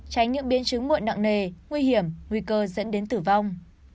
tránh những biến chứng muộn nặng nề nguy hiểm nguy cơ dẫn đến tử vong